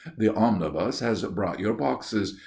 "The omnibus has brought your boxes.